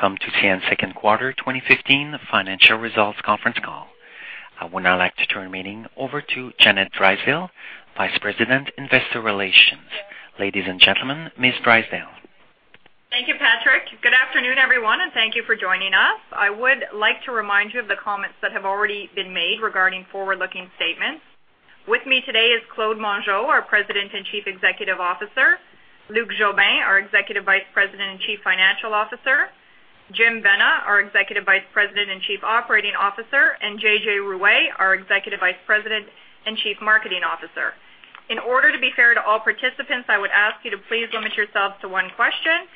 Welcome to CN second quarter 2015 financial results conference call. I would now like to turn the meeting over to Janet Drysdale, Vice President, Investor Relations. Ladies and gentlemen, Ms. Drysdale. Thank you, Patrick. Good afternoon, everyone, and thank you for joining us. I would like to remind you of the comments that have already been made regarding forward-looking statements. With me today is Claude Mongeau, our President and Chief Executive Officer, Luc Jobin, our Executive Vice President and Chief Financial Officer, Jim Vena, our Executive Vice President and Chief Operating Officer, and J.J. Ruest, our Executive Vice President and Chief Marketing Officer. In order to be fair to all participants, I would ask you to please limit yourselves to one question.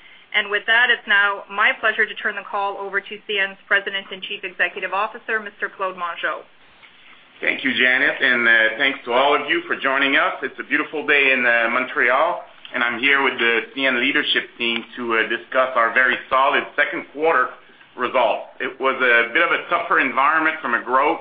With that, it's now my pleasure to turn the call over to CN's President and Chief Executive Officer, Mr. Claude Mongeau. Thank you, Janet, and thanks to all of you for joining us. It's a beautiful day in Montreal, and I'm here with the CN leadership team to discuss our very solid second quarter results. It was a bit of a tougher environment from a growth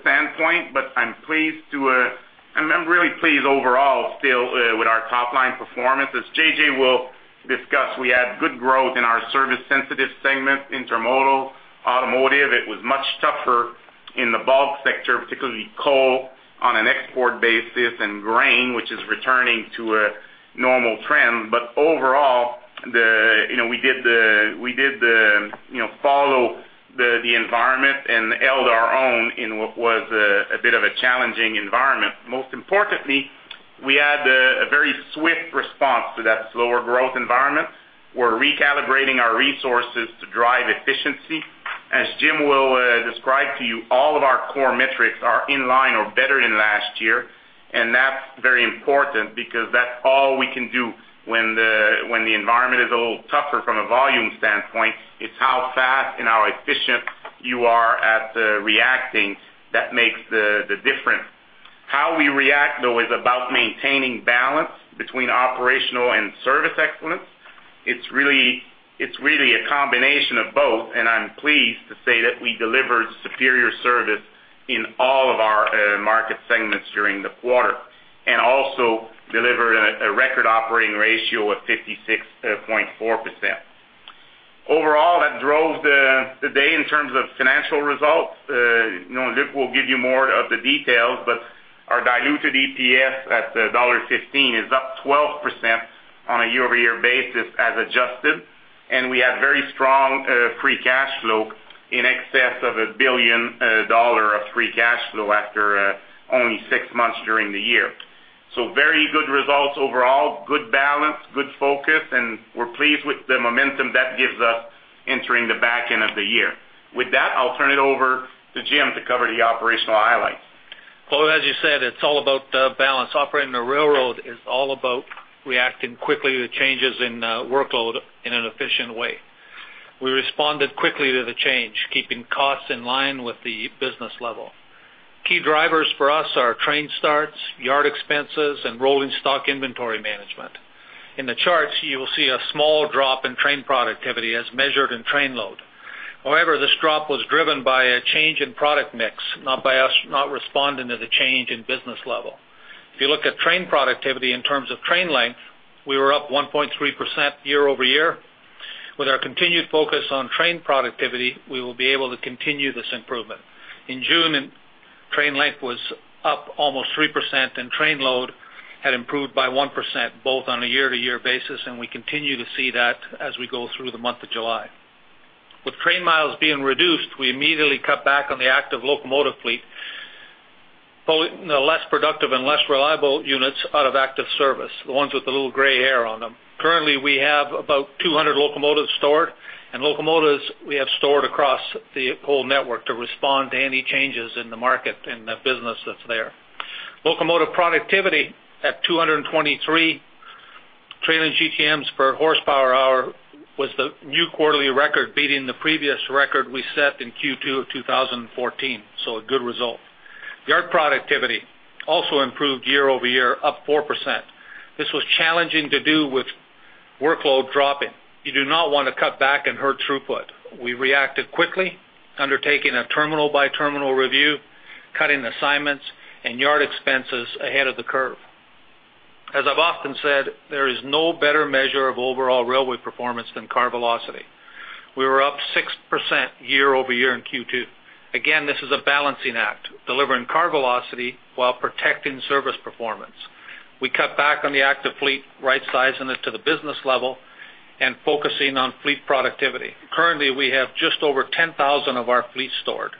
standpoint, but I'm pleased to, I'm really pleased overall, still, with our top-line performance. As JJ will discuss, we had good growth in our service-sensitive segment, intermodal, automotive. It was much tougher in the bulk sector, particularly coal, on an export basis, and grain, which is returning to a normal trend. But overall, you know, we did the, we did the, you know, follow the environment and held our own in what was a bit of a challenging environment. Most importantly, we had a very swift response to that slower growth environment. We're recalibrating our resources to drive efficiency. As Jim will describe to you, all of our core metrics are in line or better than last year, and that's very important because that's all we can do when the, when the environment is a little tougher from a volume standpoint. It's how fast and how efficient you are at reacting that makes the, the difference. How we react, though, is about maintaining balance between operational and service excellence. It's really, it's really a combination of both, and I'm pleased to say that we delivered superior service in all of our market segments during the quarter, and also delivered a record operating ratio of 56.4%. Overall, that drove the day in terms of financial results. You know, Luc will give you more of the details, but our diluted EPS at 1.15 dollar is up 12% on a year-over-year basis as adjusted, and we had very strong free cash flow in excess of 1 billion dollar of free cash flow after only six months during the year. Very good results overall, good balance, good focus, and we're pleased with the momentum that gives us entering the back end of the year. With that, I'll turn it over to Jim to cover the operational highlights. Claude, as you said, it's all about the balance. Operating a railroad is all about reacting quickly to changes in, workload in an efficient way. We responded quickly to the change, keeping costs in line with the business level. Key drivers for us are train starts, yard expenses, and rolling stock inventory management. In the charts, you will see a small drop in train productivity as measured in train load. However, this drop was driven by a change in product mix, not by us not responding to the change in business level. If you look at train productivity in terms of train length, we were up 1.3% year over year. With our continued focus on train productivity, we will be able to continue this improvement. In June, train length was up almost 3%, and trainload had improved by 1%, both on a year-over-year basis, and we continue to see that as we go through the month of July. With train miles being reduced, we immediately cut back on the active locomotive fleet, pulling the less productive and less reliable units out of active service, the ones with the little gray hair on them. Currently, we have about 200 locomotives stored, and locomotives we have stored across the whole network to respond to any changes in the market and the business that's there. Locomotive productivity at 223 trailing GTMs per horsepower hour was the new quarterly record, beating the previous record we set in Q2 of 2014, so a good result. Yard productivity also improved year-over-year, up 4%. This was challenging to do with workload dropping. You do not want to cut back and hurt throughput. We reacted quickly, undertaking a terminal-by-terminal review, cutting assignments and yard expenses ahead of the curve. As I've often said, there is no better measure of overall railway performance than car velocity. We were up 6% year-over-year in Q2. Again, this is a balancing act, delivering car velocity while protecting service performance. We cut back on the active fleet, right-sizing it to the business level and focusing on fleet productivity. Currently, we have just over 10,000 of our fleet stored,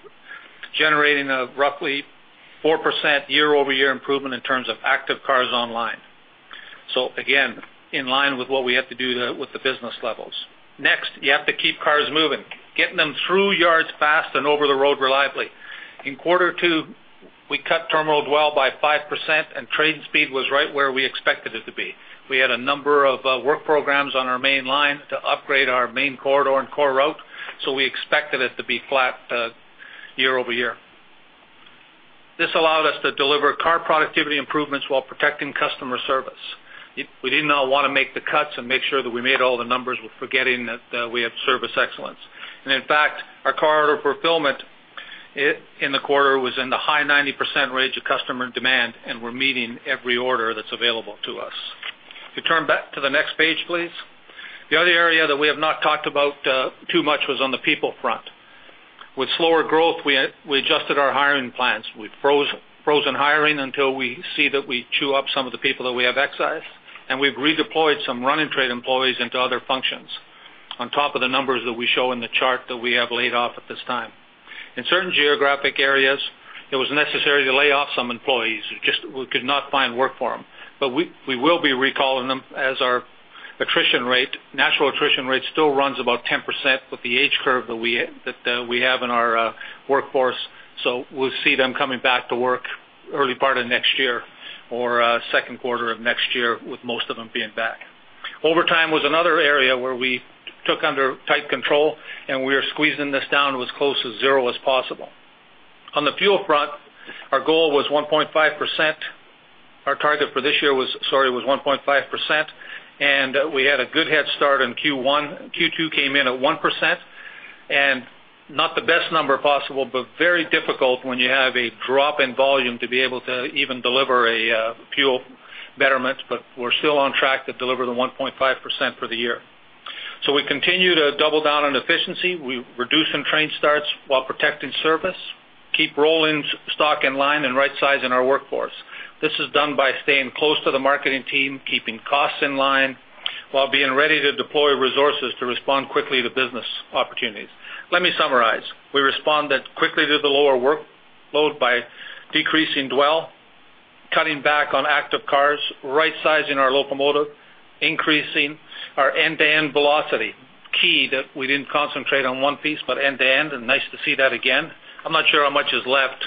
generating a roughly 4% year-over-year improvement in terms of active cars online. So again, in line with what we have to do to with the business levels. Next, you have to keep cars moving, getting them through yards fast and over the road reliably. In quarter two, we cut terminal dwell by 5%, and train speed was right where we expected it to be. We had a number of work programs on our main line to upgrade our main corridor and core route, so we expected it to be flat year-over-year. This allowed us to deliver car productivity improvements while protecting customer service. We did not want to make the cuts and make sure that we made all the numbers, forgetting that we had service excellence. And in fact, our car order fulfillment in the quarter was in the high 90% range of customer demand, and we're meeting every order that's available to us. If you turn back to the next page, please. The other area that we have not talked about too much was on the people front. With slower growth, we adjusted our hiring plans. We've frozen hiring until we see that we chew up some of the people that we have excessed, and we've redeployed some running trades employees into other functions on top of the numbers that we show in the chart that we have laid off at this time. In certain geographic areas, it was necessary to lay off some employees. We just could not find work for them. But we will be recalling them as our attrition rate, natural attrition rate still runs about 10% with the age curve that we have in our workforce. So we'll see them coming back to work early part of next year or second quarter of next year, with most of them being back. Overtime was another area where we took under tight control, and we are squeezing this down to as close to zero as possible. On the fuel front, our goal was 1.5%. Our target for this year was, sorry, was 1.5%, and we had a good head start in Q1. Q2 came in at 1%, and not the best number possible, but very difficult when you have a drop in volume to be able to even deliver a fuel betterment, but we're still on track to deliver the 1.5% for the year. So we continue to double down on efficiency. We're reducing train starts while protecting service, keep rolling stock in line, and right-sizing our workforce. This is done by staying close to the marketing team, keeping costs in line, while being ready to deploy resources to respond quickly to business opportunities. Let me summarize. We responded quickly to the lower workload by decreasing dwell, cutting back on active cars, right-sizing our locomotive, increasing our end-to-end velocity. Key that we didn't concentrate on one piece, but end-to-end, and nice to see that again. I'm not sure how much is left,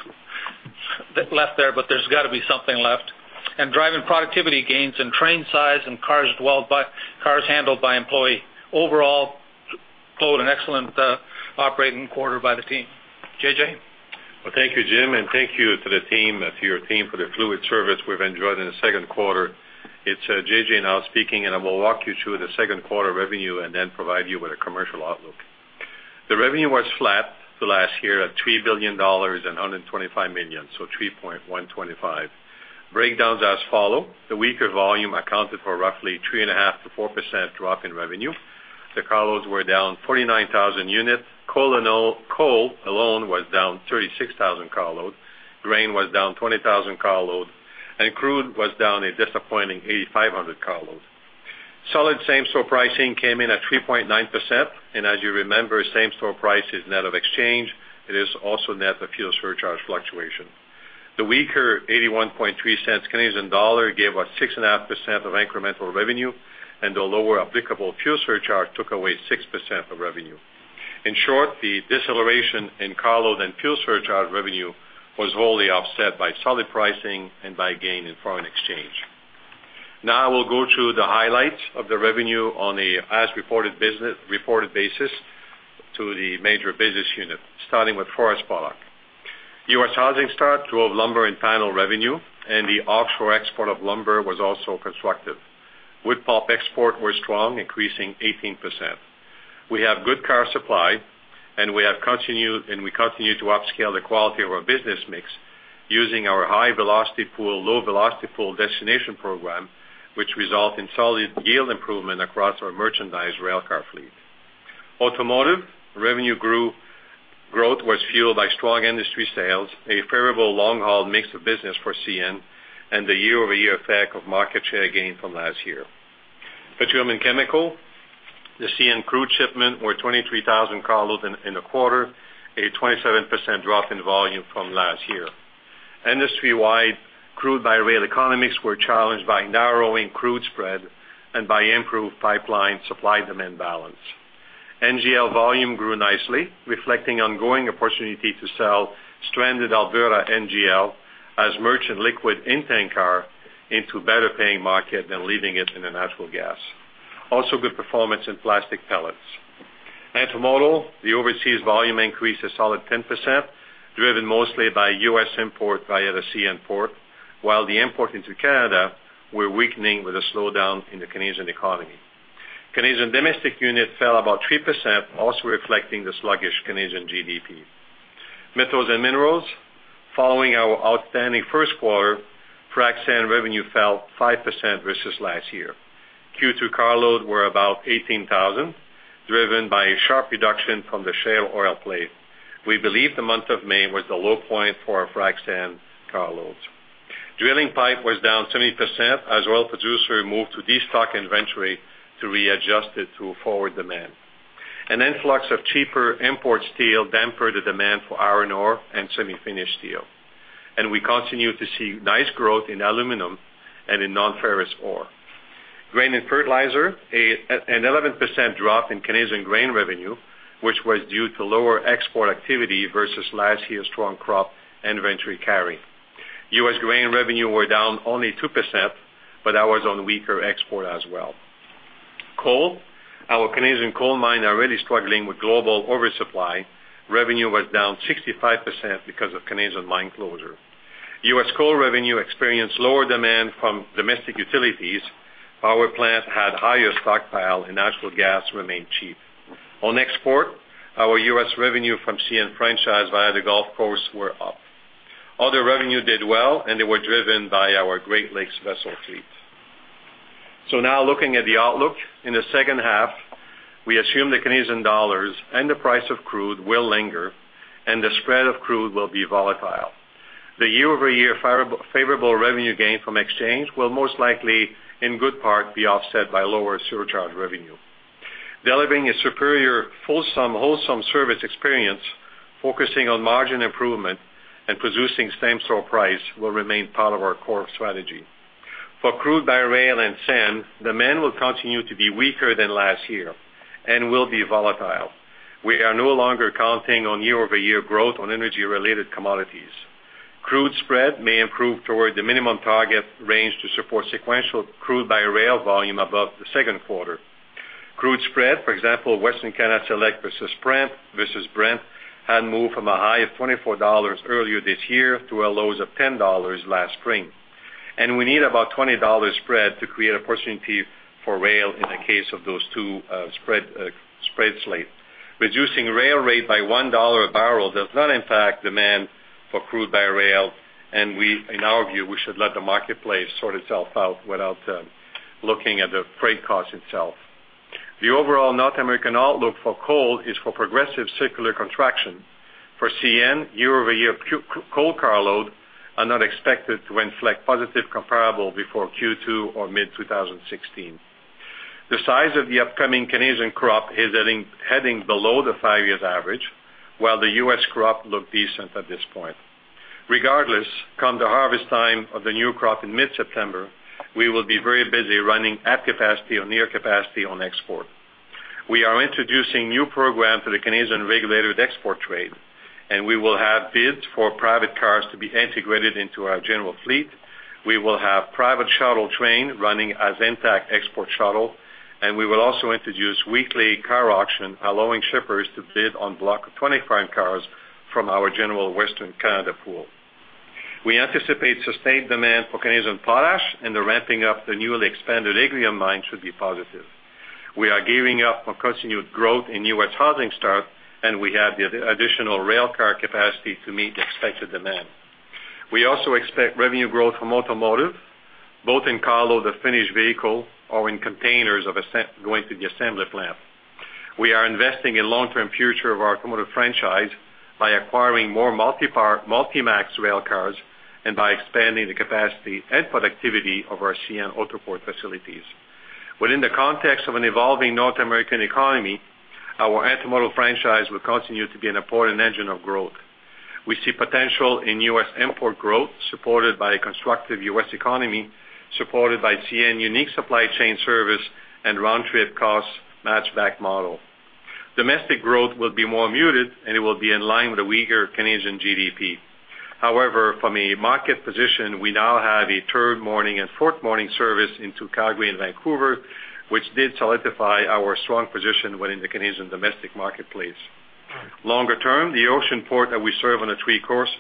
left there, but there's got to be something left. And driving productivity gains in train size and cars dwelled by—cars handled by employee. Overall, posted an excellent operating quarter by the team. JJ? Well, thank you, Jim, and thank you to the team, to your team for the fluid service we've enjoyed in the second quarter. It's, JJ now speaking, and I will walk you through the second quarter revenue and then provide you with a commercial outlook. The revenue was flat to last year at $3 billion and $125 million, so $3.125 billion. Breakdowns as follows: the weaker volume accounted for roughly 3.5%-4% drop in revenue. The carloads were down 49,000 units. Coal and oil, coal alone was down 36,000 carloads. Grain was down 20,000 carloads, and crude was down a disappointing 8,500 carloads. Solid same-store pricing came in at 3.9%, and as you remember, same-store price is net of exchange. It is also net of fuel surcharge fluctuation. The weaker 81.3-cent Canadian dollar gave us 6.5% of incremental revenue, and the lower applicable fuel surcharge took away 6% of revenue. In short, the deceleration in carload and fuel surcharge revenue was wholly offset by solid pricing and by gain in foreign exchange. Now I will go through the highlights of the revenue on an as-reported basis to the major business units, starting with forest products. U.S. housing starts drove lumber and panel revenue, and the offshore export of lumber was also constructive. Wood pulp exports were strong, increasing 18%. We have good car supply, and we continue to upscale the quality of our business mix using our high-velocity pool, low-velocity pool destination program, which results in solid yield improvement across our merchandise railcar fleet. Automotive revenue grew; growth was fueled by strong industry sales, a favorable long-haul mix of business for CN, and the year-over-year effect of market share gain from last year. Petroleum and chemical, the CN crude shipment were 23,000 carload in the quarter, a 27% drop in volume from last year. Industry-wide, crude-by-rail economics were challenged by narrowing crude spread and by improved pipeline supply-demand balance. NGL volume grew nicely, reflecting ongoing opportunity to sell stranded Alberta NGL as merchant liquid in tank car into better paying market than leaving it in the natural gas. Also, good performance in plastic pellets. Automotive, the overseas volume increased a solid 10%, driven mostly by U.S. import via the CN port, while the import into Canada were weakening with a slowdown in the Canadian economy. Canadian domestic unit fell about 3%, also reflecting the sluggish Canadian GDP. Metals and minerals, following our outstanding first quarter, frac sand revenue fell 5% versus last year. Q2 carloads were about 18,000, driven by a sharp reduction from the shale oil play. We believe the month of May was the low point for our frac sand carloads. Drilling pipe was down 70%, as oil producers moved to destock inventory to readjust it to forward demand. An influx of cheaper import steel dampened the demand for iron ore and semi-finished steel. And we continue to see nice growth in aluminum and in non-ferrous ore. Grain and fertilizer, an 11% drop in Canadian grain revenue, which was due to lower export activity versus last year's strong crop inventory carry. U.S. grain revenue was down only 2%, but that was on weaker export as well. Coal, our Canadian coal mines are really struggling with global oversupply. Revenue was down 65% because of Canadian mine closure. U.S. coal revenue experienced lower demand from domestic utilities. Power plants had higher stockpile, and natural gas remained cheap. On export, our U.S. revenue from CN franchise via the Gulf Coast were up. Other revenue did well, and they were driven by our Great Lakes vessel fleet. So now looking at the outlook. In the second half, we assume the Canadian dollars and the price of crude will linger, and the spread of crude will be volatile. The year-over-year favorable, favorable revenue gain from exchange will most likely, in good part, be offset by lower surcharge revenue. Delivering a superior, fulsome, wholesome service experience, focusing on margin improvement and producing same-store price will remain part of our core strategy. For crude by rail and sand, demand will continue to be weaker than last year and will be volatile. We are no longer counting on year-over-year growth on energy-related commodities. Crude spread may improve toward the minimum target range to support sequential crude by rail volume above the second quarter. Crude spread, for example, Western Canada Select versus Brent, versus Brent, had moved from a high of $24 earlier this year to a low of $10 last spring. And we need about $20 spread to create opportunity for rail in the case of those two spreads lately. Reducing rail rate by $1 a barrel does not impact demand for crude by rail, and we, in our view, we should let the marketplace sort itself out without looking at the freight cost itself. The overall North American outlook for coal is for progressive secular contraction. For CN, year-over-year coal carloads are not expected to inflect positive comparable before Q2 or mid-2016. The size of the upcoming Canadian crop is heading below the five-year average, while the US crop look decent at this point. Regardless, come the harvest time of the new crop in mid-September, we will be very busy running at capacity or near capacity on export. We are introducing new program to the Canadian regulated export trade, and we will have bids for private cars to be integrated into our general fleet. We will have private shuttle train running as intact export shuttle, and we will also introduce weekly car auction, allowing shippers to bid on block of 25 cars from our general Western Canada pool. We anticipate sustained demand for Canadian potash, and the ramping up the newly expanded Agrium mine should be positive. We are gearing up for continued growth in U.S. housing starts, and we have the additional rail car capacity to meet the expected demand. We also expect revenue growth from automotive, both in carload, the finished vehicle, or in containers going to the assembly plant. We are investing in long-term future of our automotive franchise by acquiring more Multi-Max rail cars and by expanding the capacity and productivity of our CN Autoport facilities. Within the context of an evolving North American economy, our automotive franchise will continue to be an important engine of growth. We see potential in U.S. import growth, supported by a constructive U.S. economy, supported by CN unique supply chain service and round-trip costs match-back model. Domestic growth will be more muted, and it will be in line with the weaker Canadian GDP. However, from a market position, we now have a third morning and fourth morning service into Calgary and Vancouver, which did solidify our strong position within the Canadian domestic marketplace. Longer term, the ocean port that we serve on the three coasts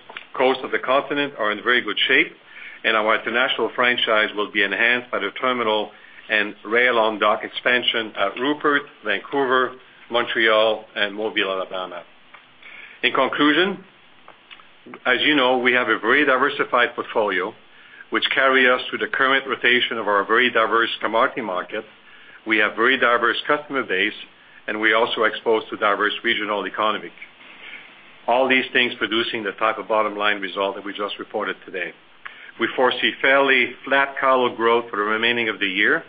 of the continent are in very good shape, and our international franchise will be enhanced by the terminal and rail on dock expansion at Rupert, Vancouver, Montreal, and Mobile, Alabama. In conclusion, as you know, we have a very diversified portfolio, which carry us through the current rotation of our very diverse commodity market. We have very diverse customer base, and we also exposed to diverse regional economy. All these things producing the type of bottom-line result that we just reported today. We foresee fairly flat cargo growth for the remaining of the year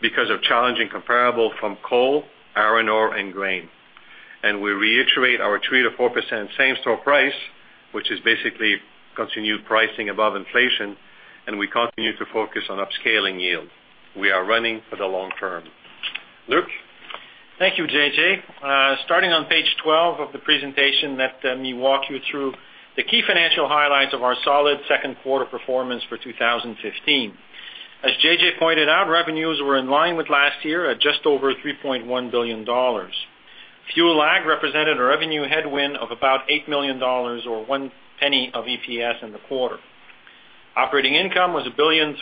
because of challenging comparable from coal, iron ore, and grain. We reiterate our 3%-4% same-store price, which is basically continued pricing above inflation, and we continue to focus on upscaling yield. We are running for the long term. Luc? Thank you, JJ. Starting on page 12 of the presentation, let me walk you through the key financial highlights of our solid second quarter performance for 2015. As JJ pointed out, revenues were in line with last year at just over $3.1 billion. Fuel lag represented a revenue headwind of about $8 million or $0.01 of EPS in the quarter. Operating income was $1.362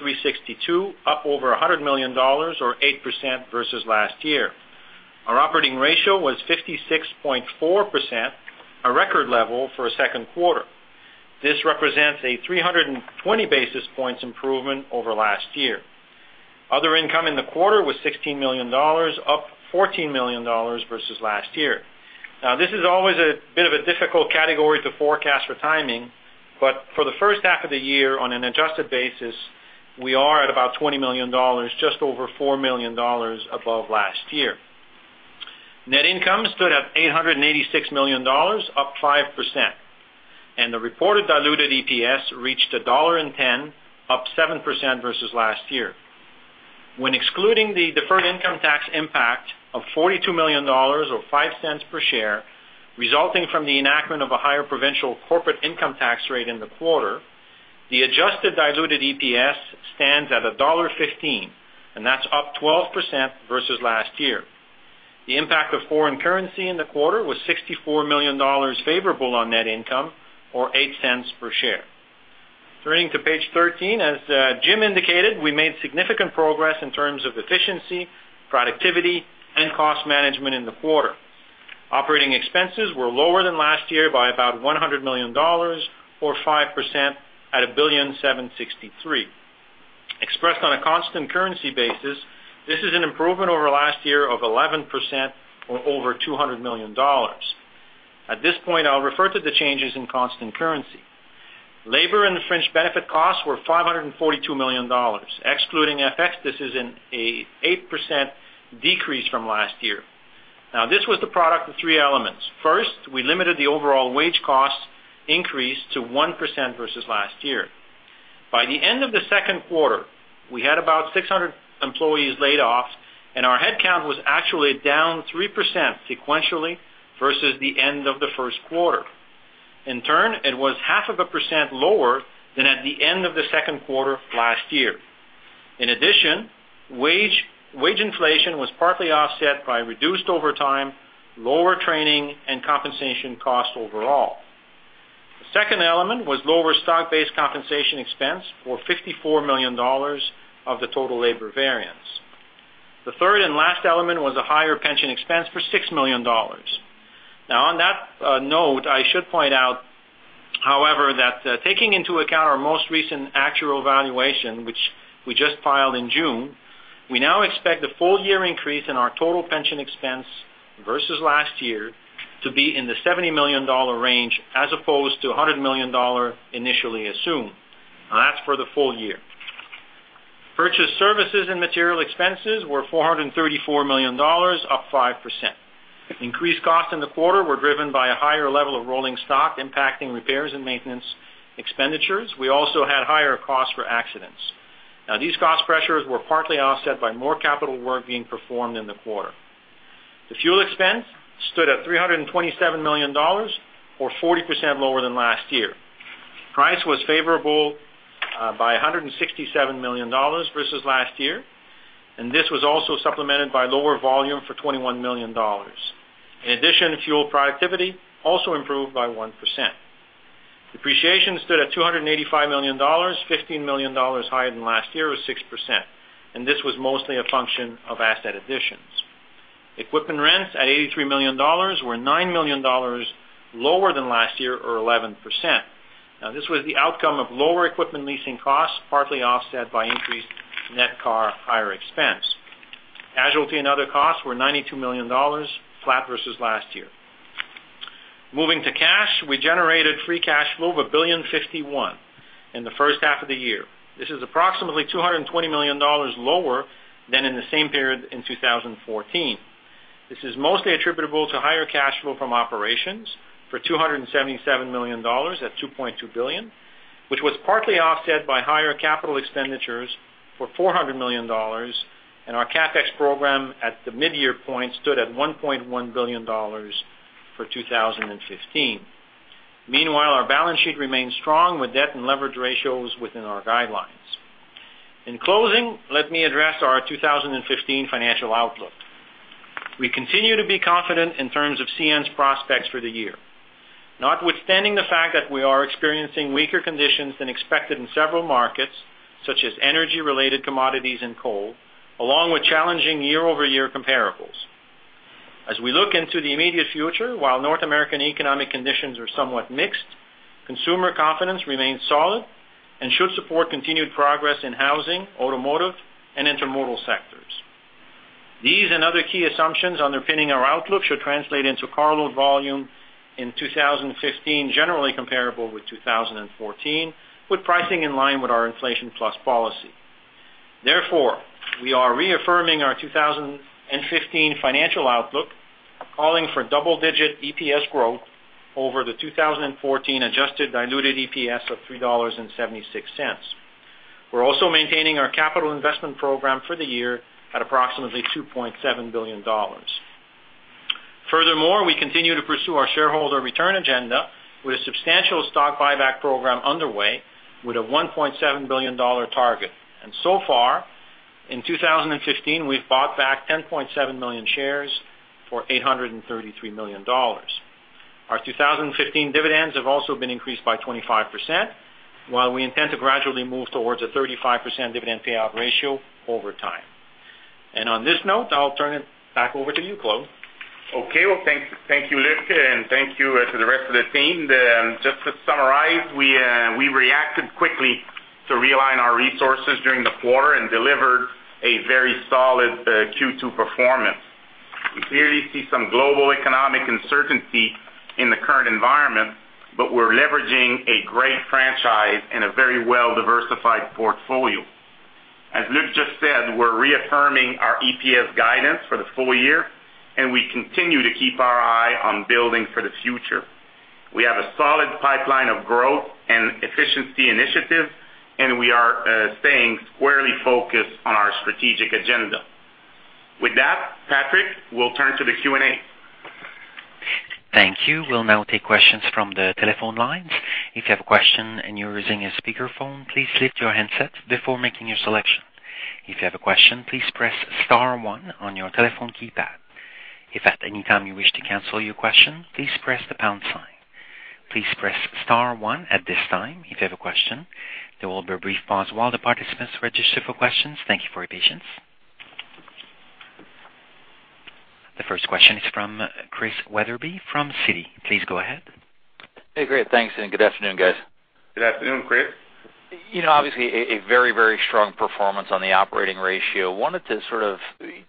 billion, up over $100 million or 8% versus last year. Our operating ratio was 56.4%, a record level for a second quarter. This represents a 320 basis points improvement over last year. Other income in the quarter was $16 million, up $14 million versus last year. Now, this is always a bit of a difficult category to forecast for timing, but for the first half of the year, on an adjusted basis, we are at about $20 million, just over $4 million above last year. Net income stood at $886 million, up 5%, and the reported diluted EPS reached $1.10, up 7% versus last year. When excluding the deferred income tax impact of $42 million or $0.05 per share, resulting from the enactment of a higher provincial corporate income tax rate in the quarter, the adjusted diluted EPS stands at $1.15, and that's up 12% versus last year....The impact of foreign currency in the quarter was $64 million favorable on net income, or $0.08 per share. Turning to page 13, as Jim indicated, we made significant progress in terms of efficiency, productivity, and cost management in the quarter. Operating expenses were lower than last year by about $100 million, or 5% at $1,763 million. Expressed on a constant currency basis, this is an improvement over last year of 11% or over $200 million. At this point, I'll refer to the changes in constant currency. Labor and the fringe benefit costs were $542 million. Excluding FX, this is an 8% decrease from last year. Now, this was the product of three elements. First, we limited the overall wage cost increase to 1% versus last year. By the end of the second quarter, we had about 600 employees laid off, and our headcount was actually down 3% sequentially versus the end of the first quarter. In turn, it was 0.5% lower than at the end of the second quarter last year. In addition, wage inflation was partly offset by reduced overtime, lower training, and compensation costs overall. The second element was lower stock-based compensation expense, or $54 million of the total labor variance. The third and last element was a higher pension expense for $6 million. Now, on that note, I should point out, however, that taking into account our most recent actual valuation, which we just filed in June, we now expect a full year increase in our total pension expense versus last year to be in the $70 million range, as opposed to $100 million initially assumed. Now, that's for the full year. Purchased services and material expenses were $434 million, up 5%. Increased costs in the quarter were driven by a higher level of rolling stock, impacting repairs and maintenance expenditures. We also had higher costs for accidents. Now, these cost pressures were partly offset by more capital work being performed in the quarter. The fuel expense stood at $327 million, or 40% lower than last year. Price was favorable by $167 million versus last year, and this was also supplemented by lower volume for $21 million. In addition, fuel productivity also improved by 1%. Depreciation stood at $285 million, $15 million higher than last year, or 6%, and this was mostly a function of asset additions. Equipment rents at $83 million were $9 million lower than last year, or 11%. Now, this was the outcome of lower equipment leasing costs, partly offset by increased net car hire expense. Casualty and other costs were $92 million, flat versus last year. Moving to cash, we generated free cash flow of $1.051 billion in the first half of the year. This is approximately $220 million lower than in the same period in 2014. This is mostly attributable to higher cash flow from operations for $277 million at $2.2 billion, which was partly offset by higher capital expenditures for $400 million, and our CapEx program at the mid-year point stood at $1.1 billion for 2015. Meanwhile, our balance sheet remains strong, with debt and leverage ratios within our guidelines. In closing, let me address our 2015 financial outlook. We continue to be confident in terms of CN's prospects for the year. Notwithstanding the fact that we are experiencing weaker conditions than expected in several markets, such as energy-related commodities and coal, along with challenging year-over-year comparables. As we look into the immediate future, while North American economic conditions are somewhat mixed, consumer confidence remains solid and should support continued progress in housing, automotive, and intermodal sectors. These and other key assumptions underpinning our outlook should translate into carload volume in 2015, generally comparable with 2014, with pricing in line with our Inflation-Plus policy. Therefore, we are reaffirming our 2015 financial outlook, calling for double-digit EPS growth over the 2014 adjusted diluted EPS of $3.76. We're also maintaining our capital investment program for the year at approximately $2.7 billion. Furthermore, we continue to pursue our shareholder return agenda with a substantial stock buyback program underway, with a $1.7 billion target. And so far, in 2015, we've bought back 10.7 million shares for $833 million. Our 2015 dividends have also been increased by 25%, while we intend to gradually move towards a 35% dividend payout ratio over time. On this note, I'll turn it back over to you, Claude. Okay. Well, thank you, Luc, and thank you to the rest of the team. Just to summarize, we reacted quickly to realign our resources during the quarter and delivered a very solid Q2 performance. We clearly see some global economic uncertainty in the current environment, but we're leveraging a great franchise and a very well-diversified portfolio. As Luc just said, we're reaffirming our EPS guidance for the full year, and we continue to keep our eye on building for the future. We have a solid pipeline of growth and efficiency initiatives, and we are staying squarely focused on our strategic agenda. With that, Patrick, we'll turn to the Q&A. Thank you. We'll now take questions from the telephone lines. If you have a question and you're using a speakerphone, please lift your handset before making your selection. If you have a question, please press star one on your telephone keypad. If at any time you wish to cancel your question, please press the pound sign. Please press star one at this time if you have a question. There will be a brief pause while the participants register for questions. Thank you for your patience. The first question is from Chris Wetherbee, from Citi. Please go ahead. Hey, great, thanks, and good afternoon, guys. Good afternoon, Chris. You know, obviously a very, very strong performance on the operating ratio. Wanted to sort of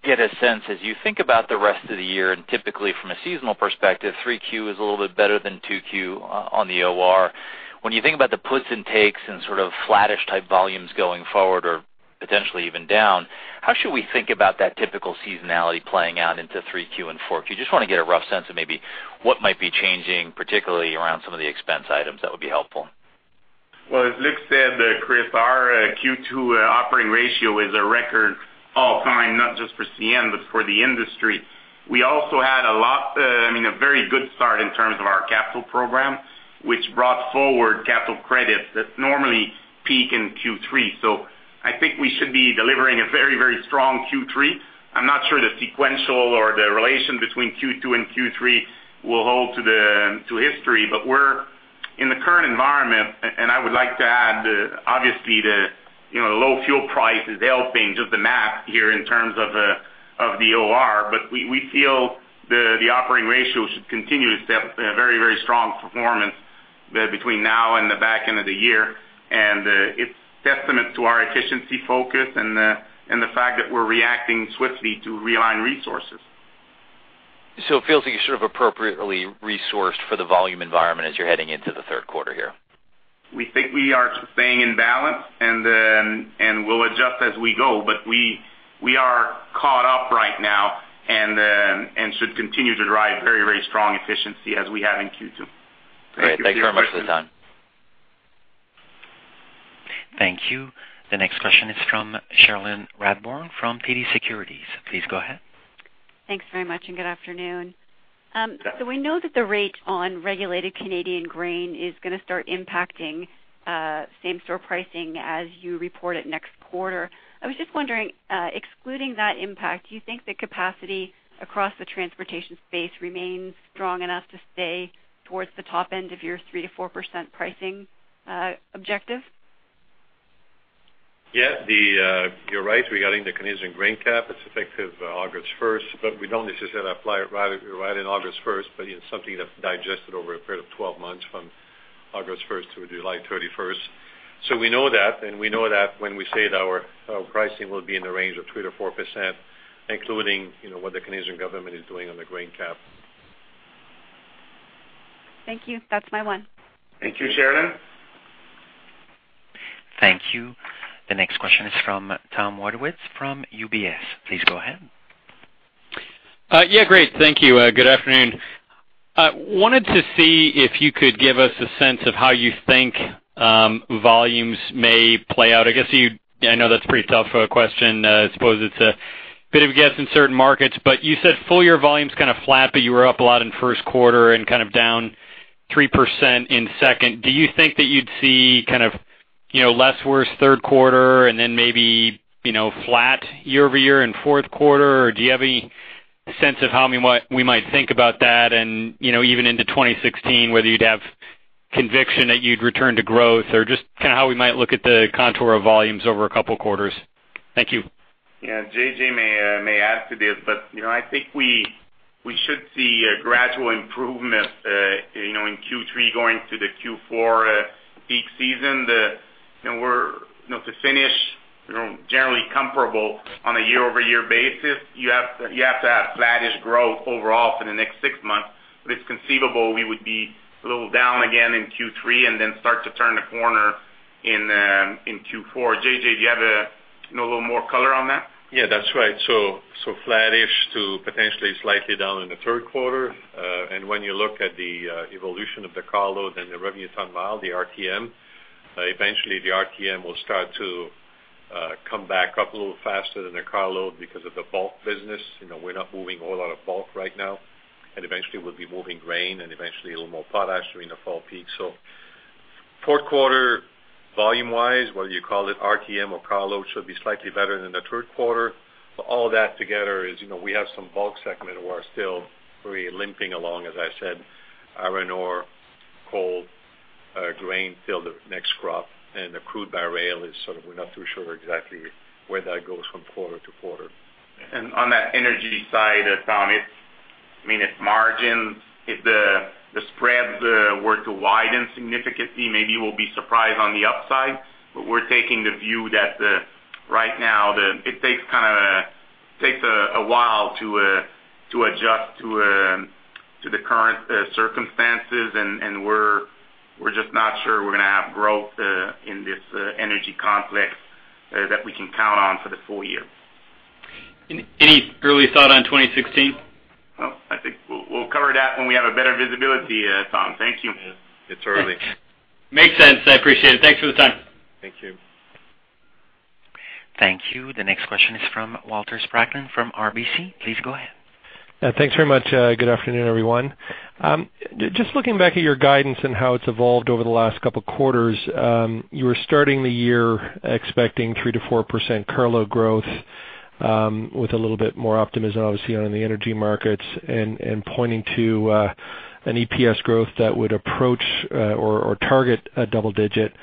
get a sense, as you think about the rest of the year, and typically from a seasonal perspective, 3Q is a little bit better than 2Q on the OR. When you think about the puts and takes and sort of flattish type volumes going forward or potentially even down, how should we think about that typical seasonality playing out into 3Q and 4Q? Just wanna get a rough sense of maybe what might be changing, particularly around some of the expense items. That would be helpful. Well, as Luc said, Chris, our Q2 operating ratio is a record all time, not just for CN, but for the industry. We also had a lot, I mean, a very good start in terms of our capital program, which brought forward capital credits that normally peak in Q3. So I think we should be delivering a very, very strong Q3. I'm not sure the sequential or the relation between Q2 and Q3 will hold to the, to history, but we're in the current environment. And I would like to add, obviously, the, you know, low fuel price is helping just the math here in terms of, of the OR, but we, we feel the, the operating ratio should continue to stay, very, very strong performance, between now and the back end of the year. It's testament to our efficiency focus and the fact that we're reacting swiftly to realign resources. It feels like you're sort of appropriately resourced for the volume environment as you're heading into the third quarter here? We think we are staying in balance, and then we'll adjust as we go. But we are caught up right now and should continue to drive very, very strong efficiency as we have in Q2. Great. Thanks very much for the time. Thank you. The next question is from Cherilyn Radbourne, from TD Securities. Please go ahead. Thanks very much, and good afternoon. So we know that the rate on regulated Canadian grain is gonna start impacting same store pricing as you report it next quarter. I was just wondering, excluding that impact, do you think the capacity across the transportation space remains strong enough to stay towards the top end of your 3%-4% pricing objective? Yeah, the, you're right. Regarding the Canadian grain cap, it's effective August 1, but we don't necessarily apply it right, right in August 1, but it's something that's digested over a period of 12 months, from August 1 to July 31. So we know that, and we know that when we say that our, our pricing will be in the range of 3%-4%, including, you know, what the Canadian government is doing on the grain cap. Thank you. That's my one. Thank you, Cherilyn. Thank you. The next question is from Tom Wadewitz, from UBS. Please go ahead. Yeah, great. Thank you, good afternoon. I wanted to see if you could give us a sense of how you think, volumes may play out. I guess you... I know that's a pretty tough question. I suppose it's a bit of a guess in certain markets, but you said full year volumes kind of flat, but you were up a lot in first quarter and kind of down 3% in second. Do you think that you'd see kind of, you know, less worse third quarter and then maybe, you know, flat year-over-year in fourth quarter? Or do you have any sense of how, we might, we might think about that and, you know, even into 2016, whether you'd have conviction that you'd return to growth, or just kind of how we might look at the contour of volumes over a couple of quarters? Thank you. Yeah. JJ may add to this, but you know, I think we should see a gradual improvement, you know, in Q3, going to the Q4 peak season. You know, we're you know to finish you know generally comparable on a year-over-year basis, you have to have flattish growth overall for the next six months. But it's conceivable we would be a little down again in Q3 and then start to turn the corner in Q4. JJ, do you have you know a little more color on that? Yeah, that's right. So, flattish to potentially slightly down in the third quarter. And when you look at the evolution of the carload and the revenue ton mile, the RTM, eventually the RTM will start to come back up a little faster than the carload because of the bulk business. You know, we're not moving a whole lot of bulk right now, and eventually we'll be moving grain and eventually a little more potash during the fall peak. So fourth quarter, volume-wise, whether you call it RTM or carload, should be slightly better than the third quarter. But all that together is, you know, we have some bulk segment who are still very limping along, as I said, iron ore, coal, grain, till the next crop, and the crude by rail is sort of, we're not too sure exactly where that goes from quarter to quarter. And on that energy side, Tom, it's, I mean, it's margins. If the spreads were to widen significantly, maybe we'll be surprised on the upside. But we're taking the view that, right now, it takes kind of a while to adjust to the current circumstances. And we're just not sure we're gonna have growth in this energy complex that we can count on for the full year. Any, any early thought on 2016? Well, I think we'll, we'll cover that when we have a better visibility, Tom. Thank you. It's early. Makes sense. I appreciate it. Thanks for the time. Thank you. The next question is from Walter Spracklin from RBC. Please go ahead. Thanks very much. Good afternoon, everyone. Just looking back at your guidance and how it's evolved over the last couple quarters, you were starting the year expecting 3%-4% cargo growth, with a little bit more optimism, obviously, on the energy markets and pointing to an EPS growth that would approach or target a double digit.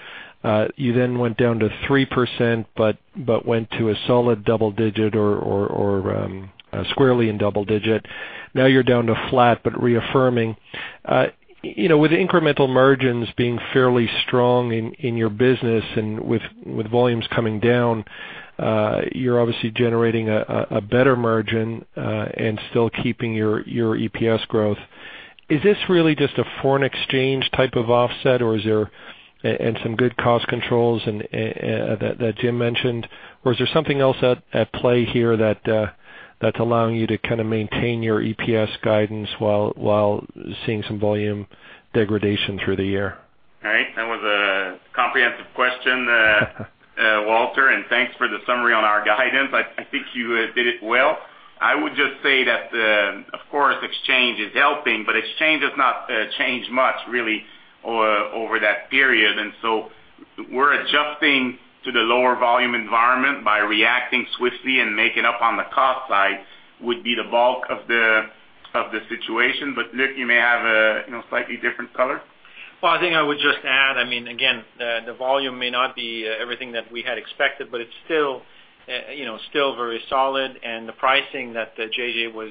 You then went down to 3%, but went to a solid double digit or squarely in double digit. Now, you're down to flat, but reaffirming. You know, with incremental margins being fairly strong in your business and with volumes coming down, you're obviously generating a better margin and still keeping your EPS growth. Is this really just a foreign exchange type of offset, or is there and some good cost controls and that Jim mentioned, or is there something else at play here that's allowing you to kinda maintain your EPS guidance while seeing some volume degradation through the year? Right. That was a comprehensive question, Walter, and thanks for the summary on our guidance. I think you did it well. I would just say that, of course, exchange is helping, but exchange has not changed much, really, over that period. And so we're adjusting to the lower volume environment by reacting swiftly and making up on the cost side, would be the bulk of the situation. But Luc, you may have a, you know, slightly different color. Well, I think I would just add, I mean, again, the volume may not be everything that we had expected, but it's still, you know, still very solid. And the pricing that JJ was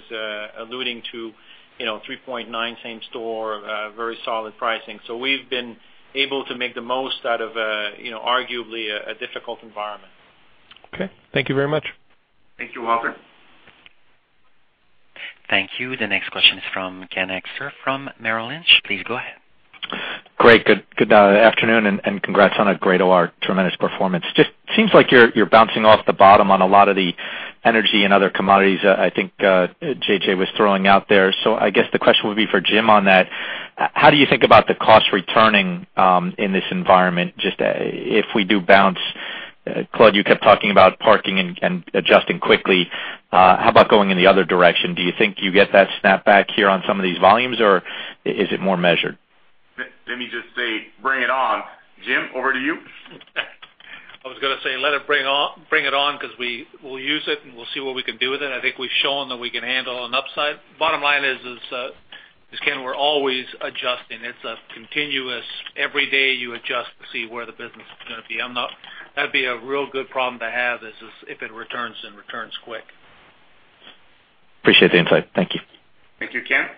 alluding to, you know, 3.9 same store, very solid pricing. So we've been able to make the most out of, you know, arguably a difficult environment. Okay, thank you very much. Thank you, Walter. Thank you. The next question is from Ken Hoexter from Merrill Lynch. Please go ahead. Great. Good, good, afternoon, and congrats on a great OR, tremendous performance. Just seems like you're, you're bouncing off the bottom on a lot of the energy and other commodities, I think, JJ was throwing out there. So I guess the question would be for Jim on that. How do you think about the cost returning, in this environment, just, if we do bounce? Claude, you kept talking about parking and adjusting quickly. How about going in the other direction? Do you think you get that snapback here on some of these volumes, or is it more measured? Let me just say, bring it on. Jim, over to you. I was gonna say, let it bring it on, 'cause we'll use it, and we'll see what we can do with it. I think we've shown that we can handle an upside. Bottom line is, Ken, we're always adjusting. It's a continuous every day, you adjust to see where the business is gonna be. And that'd be a real good problem to have, is if it returns, then returns quick. Appreciate the insight. Thank you. Thank you, Ken.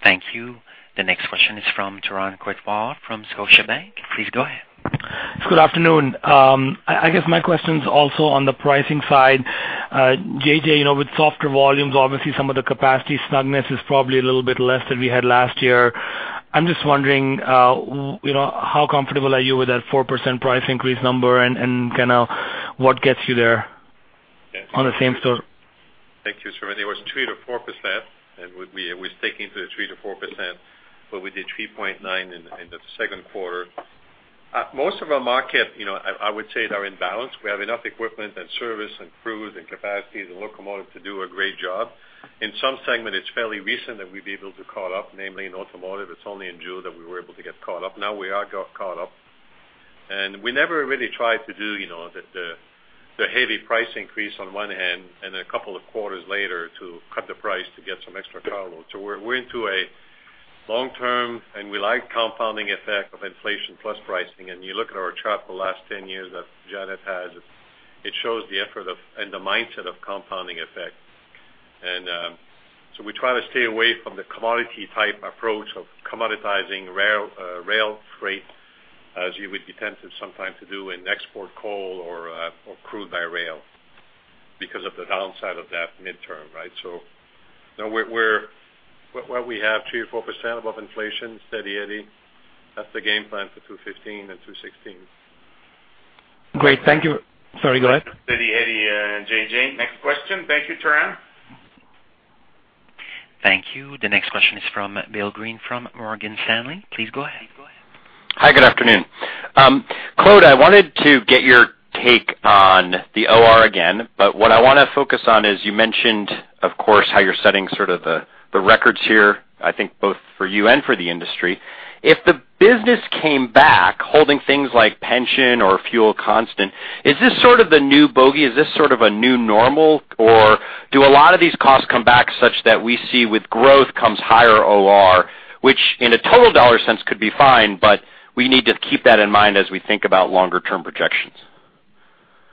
Thank you. The next question is from Turan Quettawala from Scotiabank. Please go ahead. Good afternoon. I guess my question is also on the pricing side. JJ, you know, with softer volumes, obviously some of the capacity snugness is probably a little bit less than we had last year. I'm just wondering, you know, how comfortable are you with that 4% price increase number, and kinda what gets you there- Yes. on the same store? Thank you, sir. It was 3%-4%, and we're sticking to the 3%-4%, but we did 3.9% in the second quarter. Most of our market, you know, I would say are in balance. We have enough equipment and service and crews and capacity and locomotives to do a great job. In some segment, it's fairly recent that we've been able to caught up, namely in automotive. It's only in June that we were able to get caught up. Now, we are caught up. And we never really tried to do, you know, the heavy price increase on one hand, and a couple of quarters later, to cut the price to get some extra cargo. So we're into a long-term, and we like compounding effect of inflation plus pricing. You look at our chart for the last 10 years that Janet has; it shows the effort and the mindset of compounding effect. So we try to stay away from the commodity-type approach of commoditizing rail, rail freight, as you would be tempted sometimes to do in export coal or, or crude by rail, because of the downside of that midterm, right? So now we're well, we have 3%-4% above inflation, Steady Eddie, that's the game plan for 2015 and 2016. Great. Thank you. Sorry, go ahead. Steady Eddie, JJ. Next question. Thank you, Turan. Thank you. The next question is from Bill Greene, from Morgan Stanley. Please go ahead. Hi, good afternoon. Claude, I wanted to get your take on the OR again, but what I wanna focus on is, you mentioned, of course, how you're setting sort of the records here, I think both for you and for the industry. If the business came back, holding things like pension or fuel constant, is this sort of the new bogey? Is this sort of a new normal, or do a lot of these costs come back such that we see with growth comes higher OR, which in a total dollar sense, could be fine, but we need to keep that in mind as we think about longer term projections?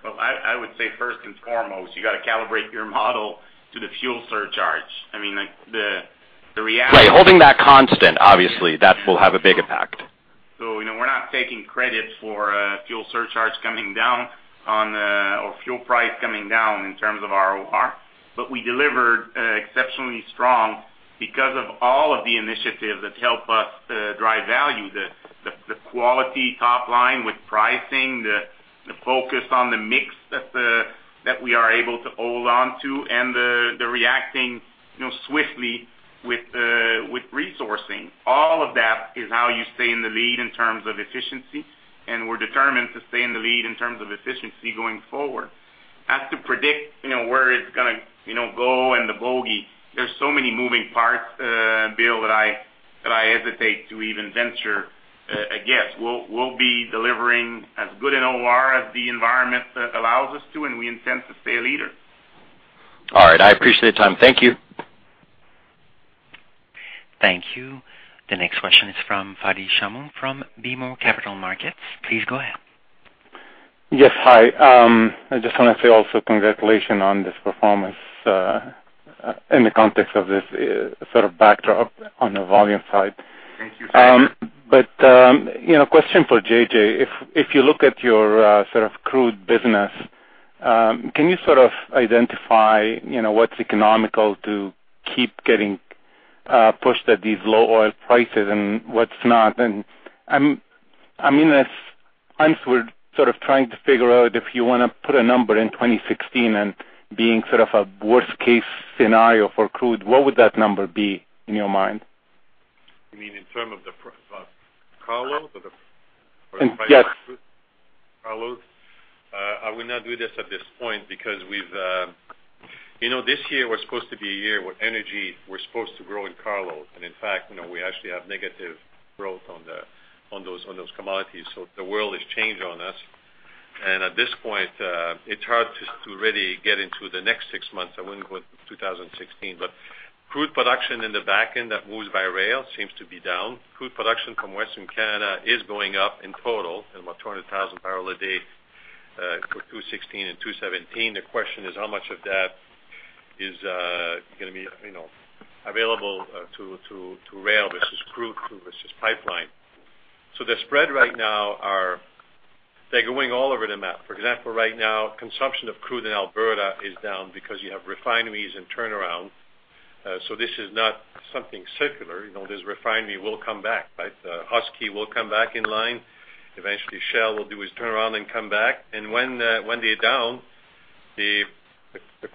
Well, I would say first and foremost, you gotta calibrate your model to the fuel surcharge. I mean, like, the reality- Right. Holding that constant, obviously, that will have a big impact. So, you know, we're not taking credit for fuel surcharge coming down on or fuel price coming down in terms of our OR, but we delivered exceptionally strong because of all of the initiatives that help us drive value, the quality top line with pricing, the focus on the mix that we are able to hold on to, and the reacting, you know, swiftly with-... sourcing, all of that is how you stay in the lead in terms of efficiency, and we're determined to stay in the lead in terms of efficiency going forward. As to predict, you know, where it's gonna, you know, go and the bogey, there's so many moving parts, Bill, that I hesitate to even venture a guess. We'll be delivering as good an OR as the environment allows us to, and we intend to stay a leader. All right, I appreciate the time. Thank you. Thank you. The next question is from Fadi Chamoun from BMO Capital Markets. Please go ahead. Yes. Hi. I just wanna say also congratulations on this performance, in the context of this, sort of backdrop on the volume side. Thank you. You know, question for JJ. If you look at your sort of crude business, can you sort of identify, you know, what's economical to keep getting pushed at these low oil prices and what's not? And I mean, as I'm sort of trying to figure out if you wanna put a number in 2016 and being sort of a worst case scenario for crude, what would that number be in your mind? You mean in terms of the carload or the- Yes. Carload. I will not do this at this point because we've... You know, this year was supposed to be a year where energy was supposed to grow in carload, and in fact, you know, we actually have negative growth on the, on those, on those commodities. So the world has changed on us. And at this point, it's hard to, to really get into the next six months. I wouldn't go in 2016, but crude production in the back end that moves by rail seems to be down. Crude production from Western Canada is going up in total, about 200,000 barrels a day, for 2016 and 2017. The question is, how much of that is, gonna be, you know, available, to, to, to rail versus crude, versus pipeline? So the spread right now are, they're going all over the map. For example, right now, consumption of crude in Alberta is down because you have refineries and turnaround. So this is not something circular. You know, this refinery will come back, right? Husky will come back in line. Eventually, Shell will do his turnaround and come back. And when they're down, the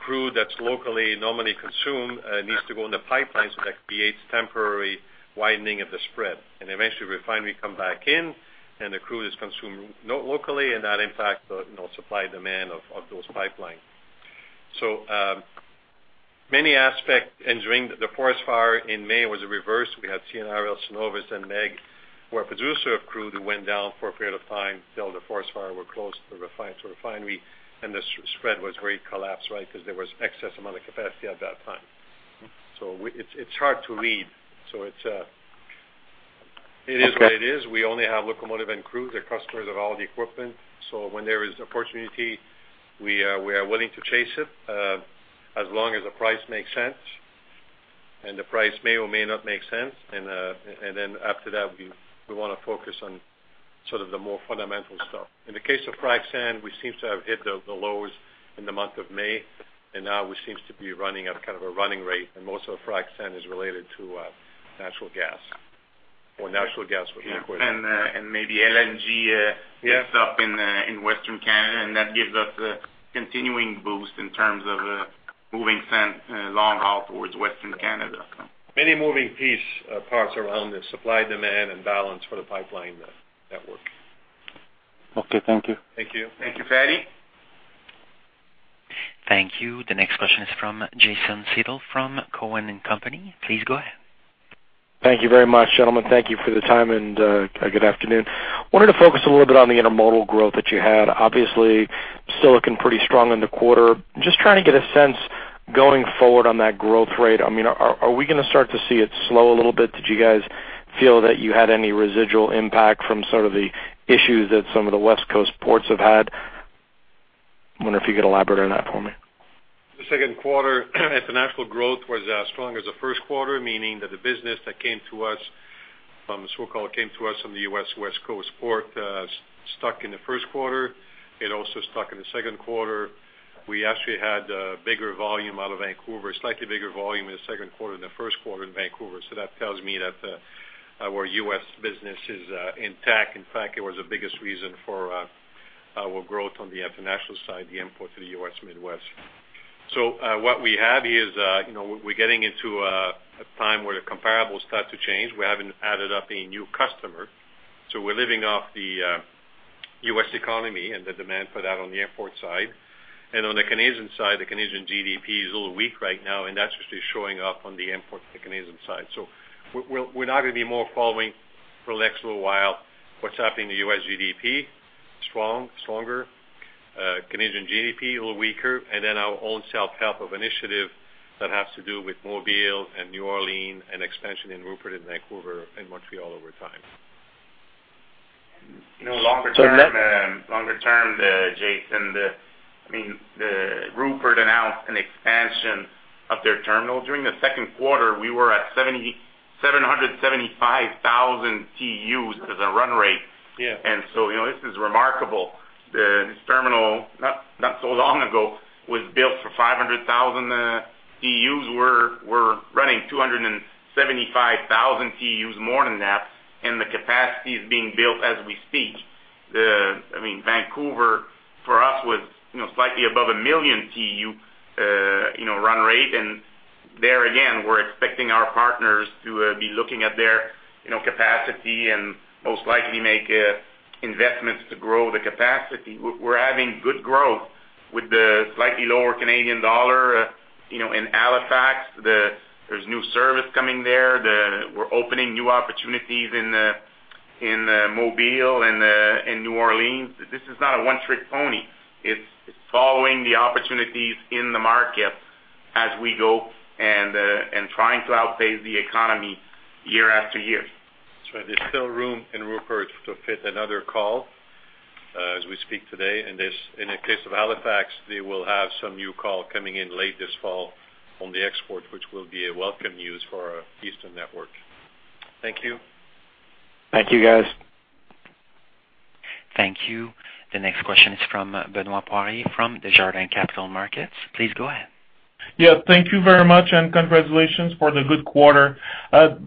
crude that's locally normally consumed needs to go in the pipeline, so that creates temporary widening of the spread. And eventually, refinery come back in, and the crude is consumed locally, and that impacts the, you know, supply-demand of those pipelines. So, many aspect, and during the forest fire in May, it was reversed. We had CNRL, Cenovus, and MEG, who are a producer of crude, who went down for a period of time till the forest fire were closed to refinery, and the spread was great collapse, right? Because there was excess amount of capacity at that time. So it's, it's hard to read. So it's, it is what it is. Okay. We only have locomotive and crews, they're customers of all the equipment. So when there is opportunity, we are willing to chase it, as long as the price makes sense, and the price may or may not make sense. And then after that, we wanna focus on sort of the more fundamental stuff. In the case of frac sand, we seem to have hit the lows in the month of May, and now we seems to be running at kind of a running rate, and most of the frac sand is related to natural gas or natural gas requirements. Yeah, and maybe LNG... Yes... picks up in, in Western Canada, and that gives us a continuing boost in terms of, moving sand, long haul towards Western Canada. Many moving pieces, parts around the supply, demand, and balance for the pipeline network. Okay, thank you. Thank you. Thank you, Fadi. Thank you. The next question is from Jason Seidl from Cowen and Company. Please go ahead. Thank you very much, gentlemen. Thank you for the time and good afternoon. Wanted to focus a little bit on the intermodal growth that you had. Obviously, still looking pretty strong in the quarter. Just trying to get a sense, going forward on that growth rate. I mean, are, are we gonna start to see it slow a little bit? Did you guys feel that you had any residual impact from sort of the issues that some of the West Coast ports have had? I wonder if you could elaborate on that for me. The second quarter, international growth was as strong as the first quarter, meaning that the business that came to us from the so-called U.S. West Coast port stuck in the first quarter. It also stuck in the second quarter. We actually had bigger volume out of Vancouver, slightly bigger volume in the second quarter than the first quarter in Vancouver. So that tells me that our U.S. business is intact. In fact, it was the biggest reason for our growth on the international side, the import to the U.S. Midwest. So what we have is you know, we're getting into a time where the comparables start to change. We haven't added up a new customer, so we're living off the U.S. economy and the demand for that on the import side. On the Canadian side, the Canadian GDP is a little weak right now, and that's just showing up on the import to the Canadian side. So we're now going to be more following for the next little while, what's happening to U.S. GDP, stronger Canadian GDP, a little weaker, and then our own self-help of initiative that has to do with Mobile and New Orleans and expansion in Rupert and Vancouver and Montreal over time. You know, longer term, Jason, the—I mean, the Prince Rupert announced an expansion of their terminal. During the second quarter, we were at 775,000 TEUs as a run rate. Yeah. So, you know, this is remarkable. This terminal, not so long ago, was built for 500,000 TEUs. We're running 275,000 TEUs more than that, and the capacity is being built as we speak. The—I mean, Vancouver-... us with, you know, slightly above 1 million TEU, you know, run rate. And there again, we're expecting our partners to be looking at their, you know, capacity and most likely make investments to grow the capacity. We're having good growth with the slightly lower Canadian dollar. You know, in Halifax, there's new service coming there. We're opening new opportunities in Mobile and in New Orleans. This is not a one-trick pony. It's following the opportunities in the market as we go and trying to outpace the economy year after year. That's right. There's still room in Rupert to fit another call, as we speak today. And this, in the case of Halifax, they will have some new call coming in late this fall on the export, which will be a welcome news for our eastern network. Thank you. Thank you, guys. Thank you. The next question is from Benoit Poirier, from Desjardins Capital Markets. Please go ahead. Yeah, thank you very much, and congratulations for the good quarter.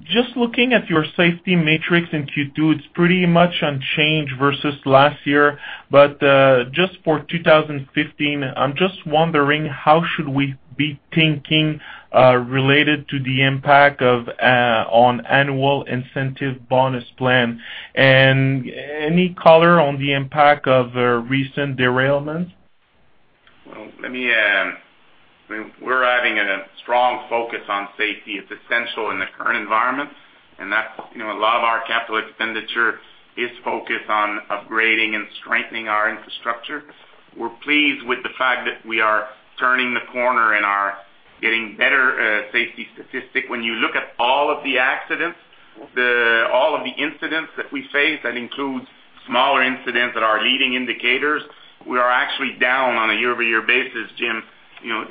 Just looking at your safety metrics in Q2, it's pretty much unchanged versus last year. But, just for 2015, I'm just wondering, related to the impact of, on annual incentive bonus plan? And any color on the impact of the recent derailment? Well, let me. We're having a strong focus on safety. It's essential in the current environment, and that's, you know, a lot of our capital expenditure is focused on upgrading and strengthening our infrastructure. We're pleased with the fact that we are turning the corner and are getting better safety statistic. When you look at all of the accidents, all of the incidents that we face, that includes smaller incidents that are leading indicators, we are actually down on a year-over-year basis, Jim, you know,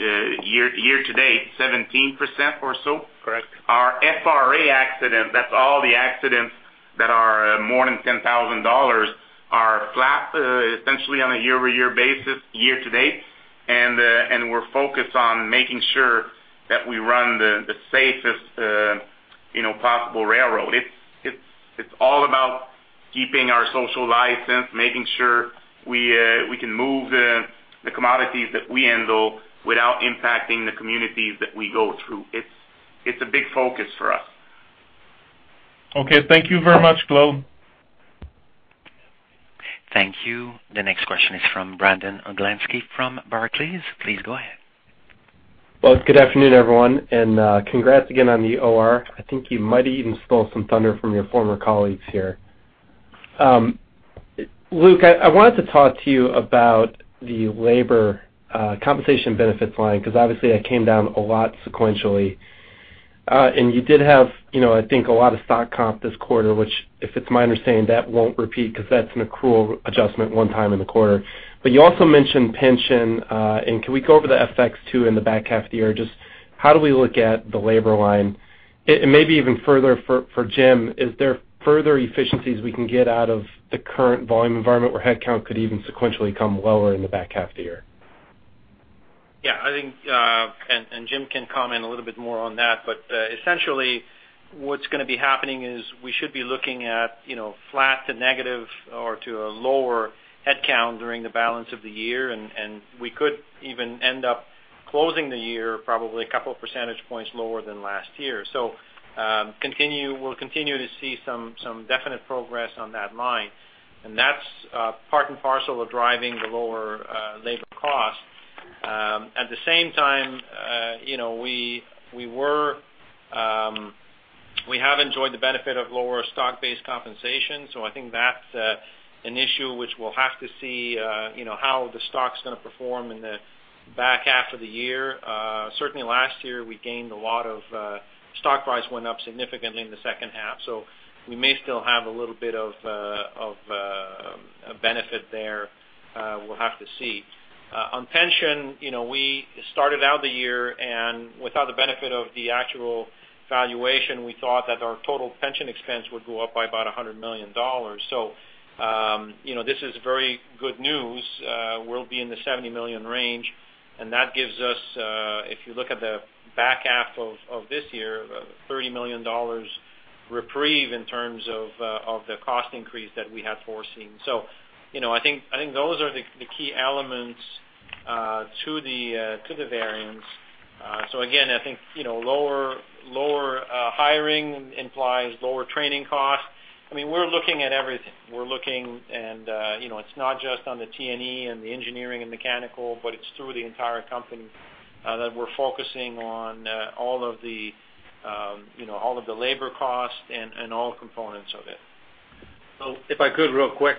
year to date, 17% or so? Correct. Our FRA accident, that's all the accidents that are more than $10,000, are flat, essentially on a year-over-year basis, year to date. And, and we're focused on making sure that we run the safest, you know, possible railroad. It's all about keeping our social license, making sure we can move the commodities that we handle without impacting the communities that we go through. It's a big focus for us. Okay, thank you very much, Claude. Thank you. The next question is from Brandon Oglenski from Barclays. Please go ahead. Well, good afternoon, everyone, and, congrats again on the OR. I think you might have even stole some thunder from your former colleagues here. Luc, I, I wanted to talk to you about the labor, compensation benefits line, because obviously, that came down a lot sequentially. And you did have, you know, I think, a lot of stock comp this quarter, which, if it's my understanding, that won't repeat because that's an accrual adjustment one time in the quarter. But you also mentioned pension, and can we go over the FX, too, in the back half of the year? Just how do we look at the labor line? And, and maybe even further for, for Jim, is there further efficiencies we can get out of the current volume environment, where headcount could even sequentially come lower in the back half of the year? Yeah, I think and Jim can comment a little bit more on that. But essentially, what's gonna be happening is we should be looking at, you know, flat to negative or to a lower headcount during the balance of the year, and we could even end up closing the year, probably a couple of percentage points lower than last year. So we'll continue to see some definite progress on that line, and that's part and parcel of driving the lower labor cost. At the same time, you know, we have enjoyed the benefit of lower stock-based compensation, so I think that's an issue which we'll have to see, you know, how the stock's gonna perform in the back half of the year. Certainly last year, we gained a lot of stock price went up significantly in the second half, so we may still have a little bit of a benefit there. We'll have to see. On pension, you know, we started out the year, and without the benefit of the actual valuation, we thought that our total pension expense would go up by about $100 million. So, you know, this is very good news. We'll be in the $70 million range, and that gives us, if you look at the back half of this year, $30 million reprieve in terms of the cost increase that we had foreseen. So, you know, I think those are the key elements to the variance. So again, I think, you know, lower, lower, hiring implies lower training costs. I mean, we're looking at everything. We're looking and, you know, it's not just on the T&E and the engineering and mechanical, but it's through the entire company that we're focusing on all of the, you know, all of the labor costs and, and all components of it. So if I could, real quick,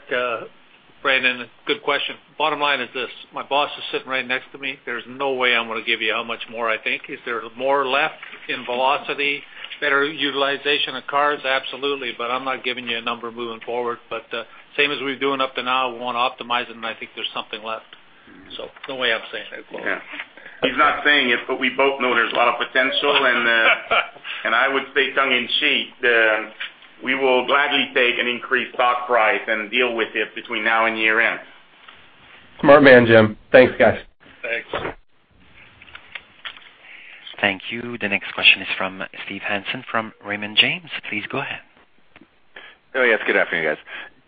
Brandon, good question. Bottom line is this: My boss is sitting right next to me. There's no way I'm gonna give you how much more I think. Is there more left in velocity, better utilization of cars? Absolutely. But I'm not giving you a number moving forward. But, same as we've been doing up to now, we wanna optimize it, and I think there's something left. So no way I'm saying it. Yeah. He's not saying it, but we both know there's a lot of potential and, and I would say, tongue in cheek, we will gladly take an increased stock price and deal with it between now and year end. Smart man, Jim. Thanks, guys. Thank you. The next question is from Steve Hansen from Raymond James. Please go ahead. Oh, yes, good afternoon, guys.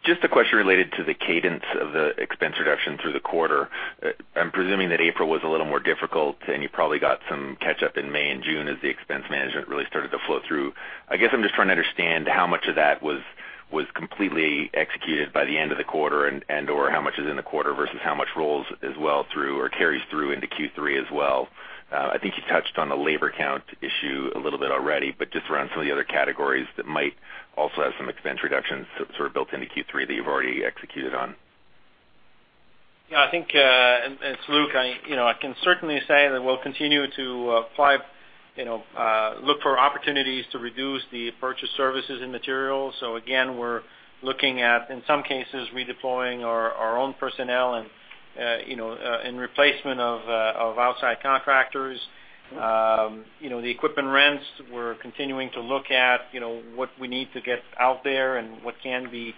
Just a question related to the cadence of the expense reduction through the quarter. I'm presuming that April was a little more difficult, and you probably got some catch up in May and June as the expense management really started to flow through. I guess I'm just trying to understand how much of that was, was completely executed by the end of the quarter and, and or how much is in the quarter versus how much rolls as well through or carries through into Q3 as well? I think you touched on the labor count issue a little bit already, but just around some of the other categories that might also have some expense reductions sort of built into Q3 that you've already executed on. Yeah, I think, and it's Luc, you know, I can certainly say that we'll continue to apply, you know, look for opportunities to reduce the purchased services and materials. So again, we're looking at, in some cases, redeploying our own personnel and, you know, in replacement of outside contractors. You know, the equipment rents, we're continuing to look at, you know, what we need to get out there and what can be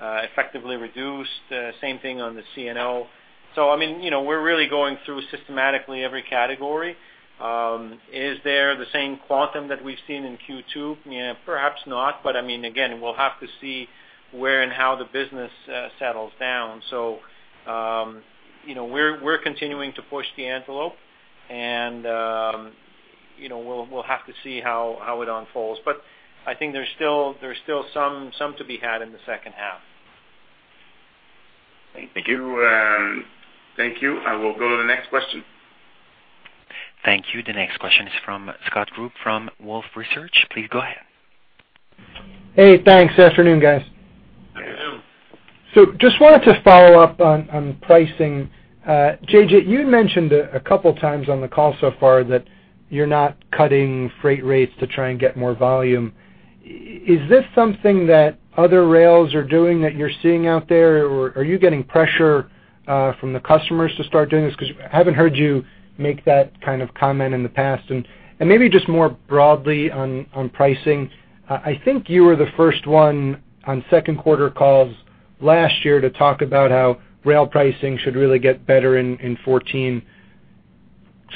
effectively reduced. Same thing on the C&O So I mean, you know, we're really going through systematically every category. Is there the same quantum that we've seen in Q2? Yeah, perhaps not. But I mean, again, we'll have to see where and how the business settles down. So, you know, we're continuing to push the envelope, and you know, we'll have to see how it unfolds. But I think there's still some to be had in the second half. Thank you. Thank you. Thank you. I will go to the next question. Thank you. The next question is from Scott Group from Wolfe Research. Please go ahead. Hey, thanks. Afternoon, guys. Afternoon. Just wanted to follow up on pricing. JJ, you mentioned a couple of times on the call so far that you're not cutting freight rates to try and get more volume. Is this something that other rails are doing that you're seeing out there? Or are you getting pressure from the customers to start doing this? Because I haven't heard you make that kind of comment in the past. And maybe just more broadly on pricing, I think you were the first one on second quarter calls last year to talk about how rail pricing should really get better in 2014.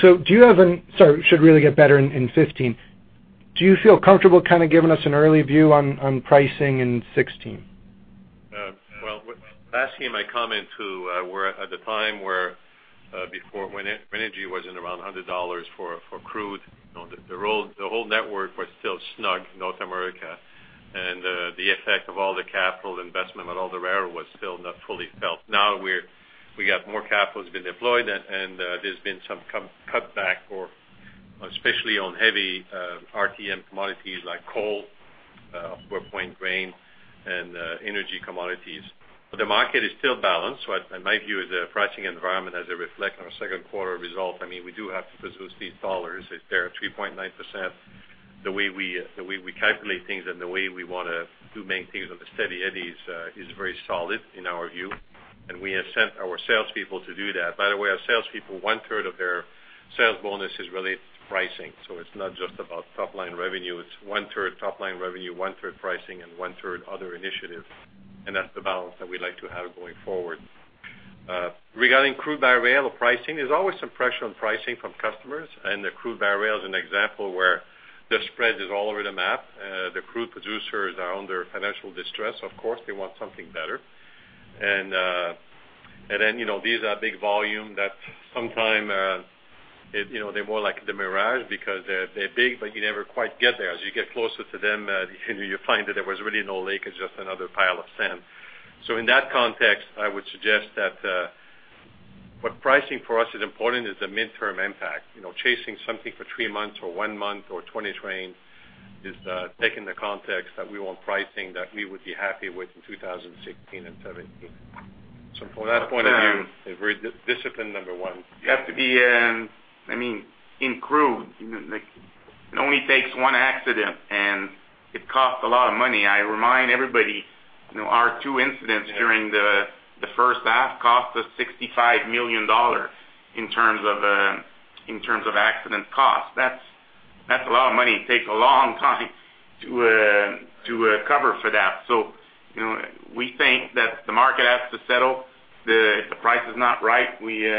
So do you have an... Sorry, should really get better in 2015. Do you feel comfortable kind of giving us an early view on pricing in 2016? Well, with last year, my comments which were at the time where before when energy was in around $100 for crude, you know, the whole network was still snug, North America. The effect of all the capital investment on all the rail was still not fully felt. Now we've got more capital has been deployed and there's been some cutback or especially on heavy RTM commodities like coal, export grain and energy commodities. But the market is still balanced. What in my view is a pricing environment that reflects on our second quarter result, I mean, we do have to pursue these dollars. If they're 3.9%, the way we calculate things and the way we wanna do maintain things on the Steady Eddies is very solid in our view, and we have sent our salespeople to do that. By the way, our salespeople, one third of their sales bonus is related to pricing. So it's not just about top-line revenue. It's one third top-line revenue, one third pricing, and one third other initiatives, and that's the balance that we'd like to have going forward. Regarding crude by rail pricing, there's always some pressure on pricing from customers, and the crude by rail is an example where the spread is all over the map. The crude producers are under financial distress. Of course, they want something better. And, and then, you know, these are big volumes that sometimes, you know, they're more like the mirage because they're, they're big, but you never quite get there. As you get closer to them, you find that there was really no lake, it's just another pile of sand. So in that context, I would suggest that, what pricing for us is important is the mid-term impact. You know, chasing something for three months or one month or 20 trains is, taking the context that we want pricing that we would be happy with in 2016 and 2017. So from that point of view, a very disciplined, number one. You have to be, I mean, in crude, like, it only takes one accident, and it costs a lot of money. I remind everybody, you know, our two incidents during the first half cost us $65 million in terms of accident costs. That's a lot of money. It takes a long time to cover for that. So, you know, we think that the market has to settle. If the price is not right, we, you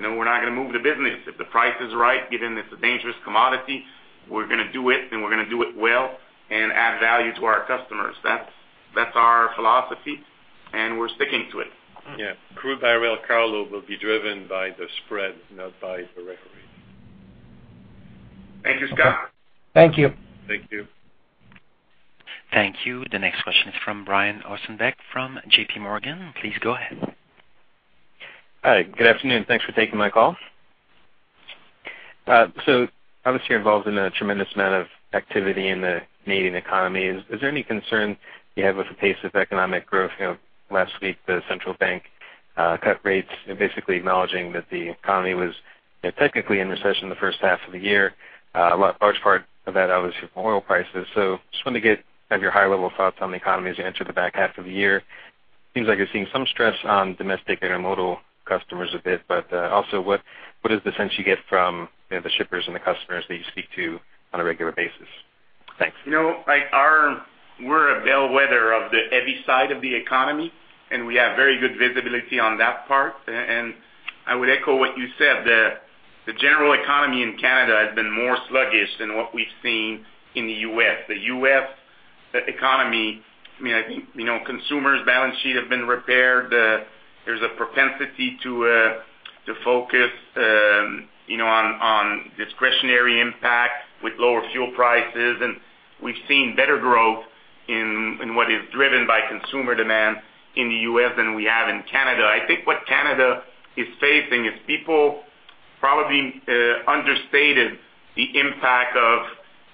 know, we're not gonna move the business. If the price is right, given it's a dangerous commodity, we're gonna do it, and we're gonna do it well and add value to our customers. That's our philosophy, and we're sticking to it. Yeah. Crude by rail, carload, will be driven by the spread, not by the record rate. Thank you, Scott. Thank you. Thank you. Thank you. The next question is from Brian Ossenbeck from J.P. Morgan. Please go ahead. Hi, good afternoon. Thanks for taking my call. So obviously, you're involved in a tremendous amount of activity in the Canadian economy. Is there any concern you have with the pace of economic growth? You know, last week, the central bank cut rates and basically acknowledging that the economy was, you know, technically in recession in the first half of the year. A large part of that obviously from oil prices. So just wanted to get kind of your high-level thoughts on the economy as you enter the back half of the year. Seems like you're seeing some stress on domestic intermodal customers a bit, but also, what is the sense you get from, you know, the shippers and the customers that you speak to on a regular basis?... You know, we're a bellwether of the heavy side of the economy, and we have very good visibility on that part. And I would echo what you said, the general economy in Canada has been more sluggish than what we've seen in the U.S. The U.S. economy, I mean, I think, you know, consumers' balance sheet have been repaired. There's a propensity to focus, you know, on discretionary impact with lower fuel prices. And we've seen better growth in what is driven by consumer demand in the U.S. than we have in Canada. I think what Canada is facing is people probably understated the impact of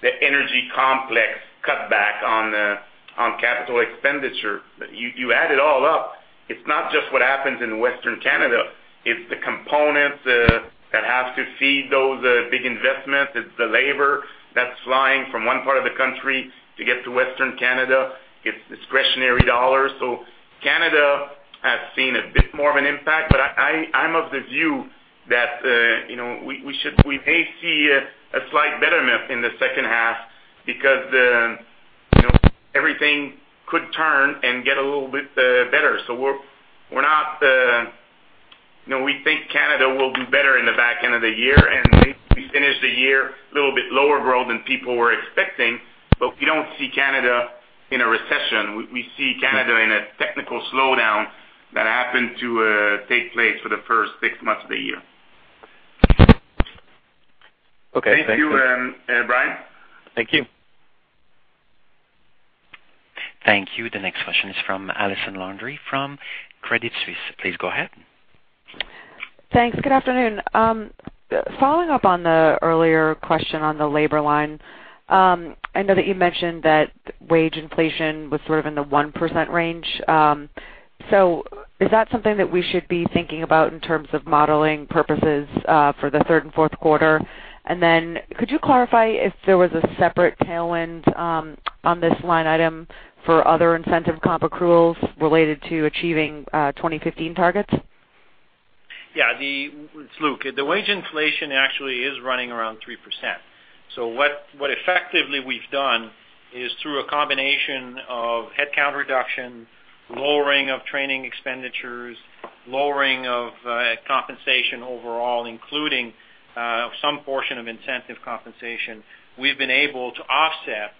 the energy complex cutback on capital expenditure. You add it all up, it's not just what happens in Western Canada, it's the components that have to feed those big investments. It's the labor that's flying from one part of the country to get to Western Canada. It's discretionary dollars. So Canada has seen a bit more of an impact, but I'm of the view that, you know, we may see a slight betterment in the second half because, you know, everything could turn and get a little bit better. So we're not... You know, we think Canada will do better in the back end of the year, and we finish the year a little bit lower growth than people were expecting. But we don't see Canada in a recession. We see Canada in a technical slowdown that happened to take place for the first six months of the year. Okay, thank you. Thank you, Brian. Thank you. Thank you. The next question is from Allison Landry from Credit Suisse. Please go ahead. Thanks. Good afternoon. Following up on the earlier question on the labor line, I know that you mentioned that wage inflation was sort of in the 1% range. So is that something that we should be thinking about in terms of modeling purposes for the third and fourth quarter? And then could you clarify if there was a separate tailwind on this line item for other incentive comp accruals related to achieving 2015 targets? Yeah, it's Luc. The wage inflation actually is running around 3%. So what effectively we've done is, through a combination of headcount reduction, lowering of training expenditures, lowering of compensation overall, including some portion of incentive compensation, we've been able to offset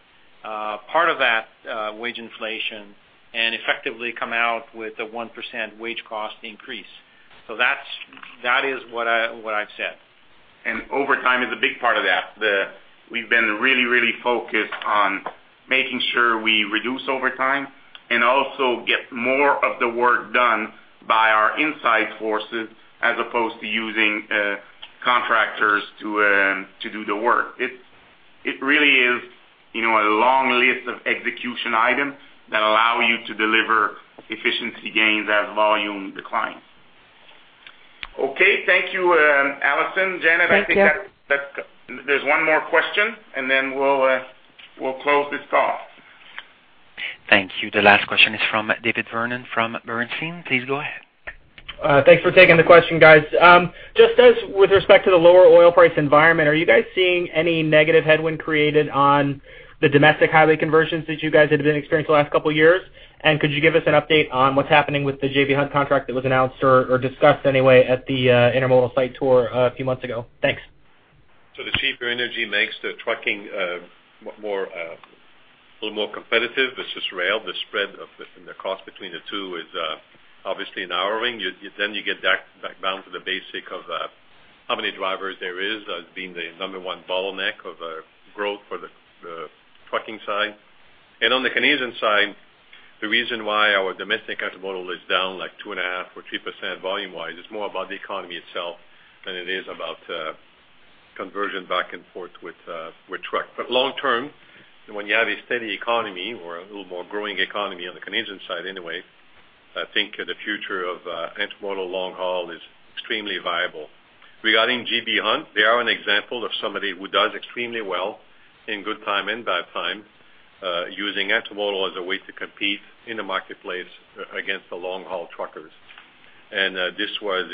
part of that wage inflation and effectively come out with a 1% wage cost increase. So that's what I've said. Overtime is a big part of that. We've been really, really focused on making sure we reduce overtime and also get more of the work done by our inside forces, as opposed to using, contractors to, to do the work. It really is, you know, a long list of execution items that allow you to deliver efficiency gains as volume declines. Okay. Thank you, Allison. Janet, I think that- Thank you. There's one more question, and then we'll, we'll close this call. Thank you. The last question is from David Vernon from Bernstein. Please go ahead. Thanks for taking the question, guys. Just as with respect to the lower oil price environment, are you guys seeing any negative headwind created on the domestic highway conversions that you guys have been experiencing the last couple of years? And could you give us an update on what's happening with the J.B. Hunt contract that was announced or, or discussed anyway, at the intermodal site tour a few months ago? Thanks. So the cheaper energy makes the trucking, more, a little more competitive versus rail. The spread of the, the cost between the two is, obviously narrowing. You, then you get back, back down to the basic of, how many drivers there is, being the number one bottleneck of, growth for the, the trucking side. And on the Canadian side, the reason why our domestic intermodal is down, like 2.5% or 3% volume-wise, is more about the economy itself than it is about, conversion back and forth with, with truck. But long term, when you have a steady economy or a little more growing economy on the Canadian side anyway, I think the future of, intermodal long haul is extremely viable. Regarding J.B. Hunt, they are an example of somebody who does extremely well in good time and bad time, using intermodal as a way to compete in the marketplace against the long-haul truckers. And this was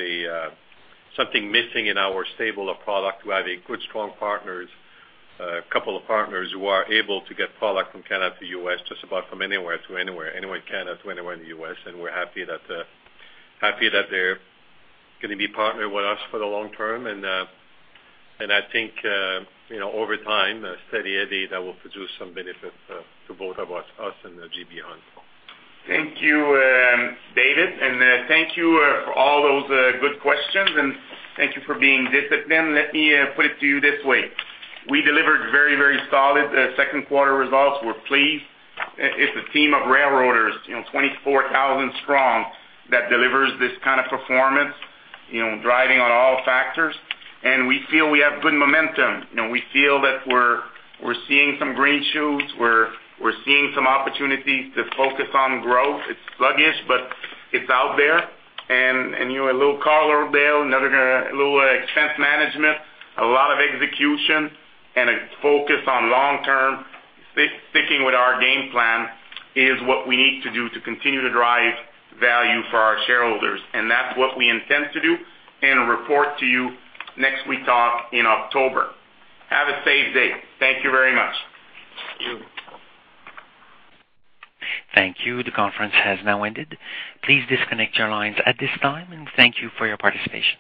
something missing in our stable of product, to have good, strong partners, a couple of partners who are able to get product from Canada to U.S., just about from anywhere to anywhere, anywhere in Canada to anywhere in the U.S., and we're happy that they're gonna be partnered with us for the long term. And I think, you know, over time, steady, that will produce some benefits to both of us, us and J.B. Hunt. Thank you, David, and thank you for all those good questions, and thank you for being disciplined. Let me put it to you this way: We delivered very, very solid second quarter results. We're pleased. It's a team of railroaders, you know, 24,000 strong, that delivers this kind of performance, you know, driving on all factors. We feel we have good momentum. You know, we feel that we're seeing some green shoots. We're seeing some opportunities to focus on growth. It's sluggish, but it's out there. And, you know, a little carload there, another little expense management, a lot of execution, and a focus on long term. Sticking with our game plan is what we need to do to continue to drive value for our shareholders, and that's what we intend to do and report to you next we talk in October. Have a safe day. Thank you very much. Thank you. The conference has now ended. Please disconnect your lines at this time, and thank you for your participation.